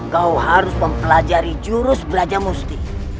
kau harus mempelajari jurus belajar musti